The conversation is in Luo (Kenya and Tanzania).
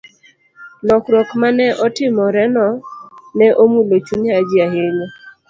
Lokruok ma ne otimoreno ne omulo chuny Haji ahinya.